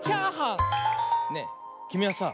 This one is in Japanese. ねえきみはさ